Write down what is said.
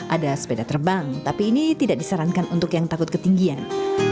ada sepeda terbang tapi ini tidak disarankan untuk yang takut ketinggian